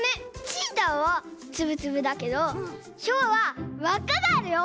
チーターはつぶつぶだけどヒョウはわっかがあるよ。